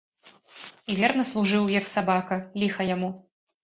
І верна служыў, як сабака, ліха яму.